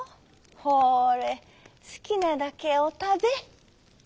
ほれすきなだけおたべ」。